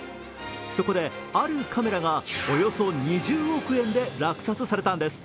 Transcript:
そこで、あるカメラがおよそ２０億円で落札されたんです。